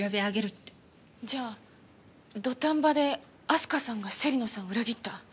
じゃあ土壇場で明日香さんが芹野さんを裏切った？